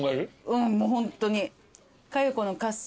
うんもうホントに。